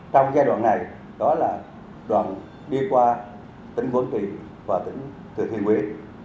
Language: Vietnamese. trong giai đoạn này đó là đoạn đi qua tỉnh vốn kỳ và tỉnh thừa thiên quế